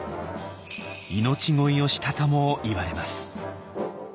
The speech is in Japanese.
命乞いをしたともいわれます。